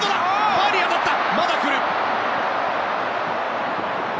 バーに当たった！